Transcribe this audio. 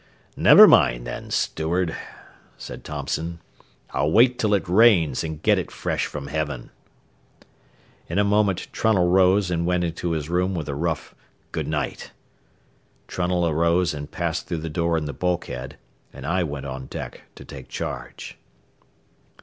"Never mind, then, steward," said Thompson. "I'll wait till it rains and get it fresh from heaven." In a moment Trunnell rose and went into his room with a rough "good night." Thompson arose and passed through the door in the bulkhead, and I went on deck to take charge.